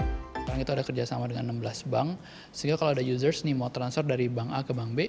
sekarang kita ada kerjasama dengan enam belas bank sehingga kalau ada users nih mau transfer dari bank a ke bank b